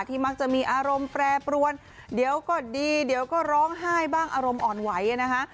มักจะมีอารมณ์แปรปรวนเดี๋ยวก็ดีเดี๋ยวก็ร้องไห้บ้างอารมณ์อ่อนไหวนะคะ